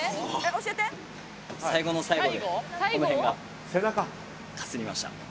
最後の最後でこの辺がかすりました。